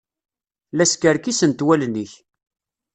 La skerkisent wallen-ik.